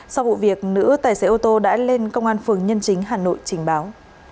sau vụ việc nữ tài xế ô tô đã lên công an phường nhân chính hà nội trình báo